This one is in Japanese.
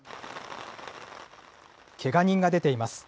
けが人が出ています。